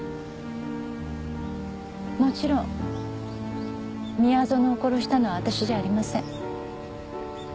もちろん宮園を殺したのは私じゃありません。